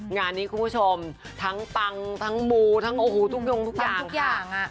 งานนี้คุณผู้ชมทั้งปังทั้งมูทั้งโอ้โหทุกอย่างค่ะ